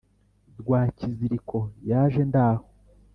rwakiziriko yaje ndaho